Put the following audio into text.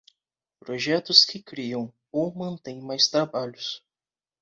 Projetos que criam ou mantêm mais trabalhos.